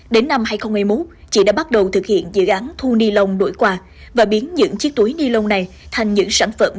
đến năm hai nghìn một mươi một chị đã bắt đầu thực hiện dự án thu ni lông đổi quà và biến những chiếc túi ni lông này thành những sản phẩm